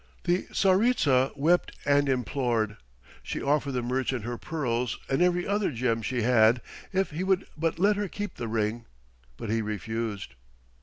The Tsaritsa wept and implored. She offered the merchant her pearls and every other gem she had if he would but let her keep the ring, but he refused.